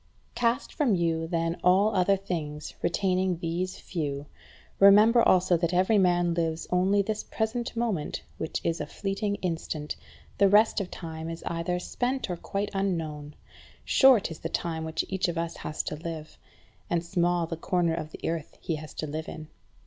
10. Cast from you then all other things, retaining these few. Remember also that every man lives only this present moment, which is a fleeting instant: the rest of time is either spent or quite unknown. Short is the time which each of us has to live, and small the corner of the earth he has to live in.